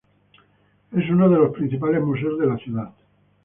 Es uno de los principales museos de la ciudad.